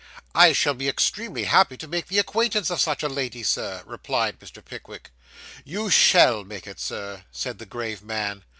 'I shall be extremely happy to make the acquaintance of such a lady, sir,' replied Mr. Pickwick. 'You _shall _make it, sir,' said the grave man.